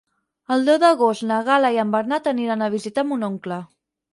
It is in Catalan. El deu d'agost na Gal·la i en Bernat aniran a visitar mon oncle.